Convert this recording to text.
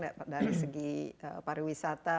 dari segi pariwisata